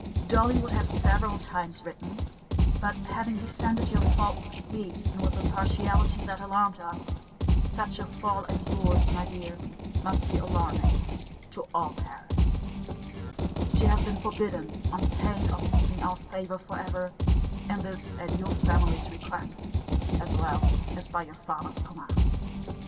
Dolly would have several times written: but having defended your fault with heat, and with a partiality that alarmed us, (such a fall as your's, my dear, must be alarming to all parents,) she has been forbidden, on pain of losing our favour for ever: and this at your family's request, as well as by her father's commands.